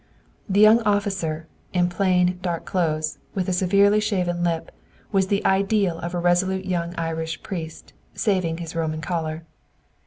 The young officer, in plain, dark clothes, with severely shaven lip, was the ideal of a resolute young Irish priest, saving his Roman collar.